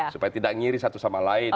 supaya tidak ngiri satu sama lain